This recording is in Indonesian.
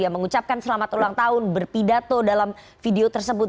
yang mengucapkan selamat ulang tahun berpidato dalam video tersebut